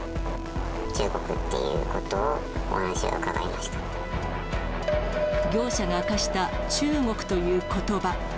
中国っていうことを、お話を業者が明かした中国ということば。